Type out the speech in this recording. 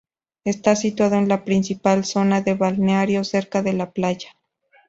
Está situado en la principal zona de balneario, cerca de la playa.